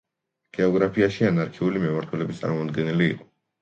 გეოგრაფიაში „ანარქიული“ მიმართულების წარმომადგენელი იყო.